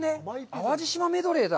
淡路島メドレーだ。